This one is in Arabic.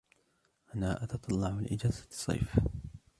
أنا أتتطلع لإجازة الصيف.